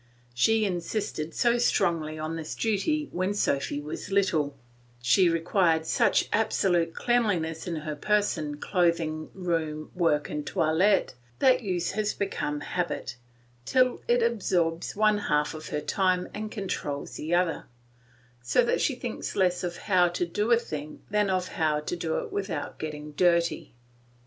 She insisted so strongly on this duty when Sophy was little, she required such absolute cleanliness in her person, clothing, room, work, and toilet, that use has become habit, till it absorbs one half of her time and controls the other; so that she thinks less of how to do a thing than of how to do it without getting dirty.